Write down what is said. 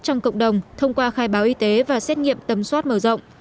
trong cộng đồng thông qua khai báo y tế và xét nghiệm tầm soát mở rộng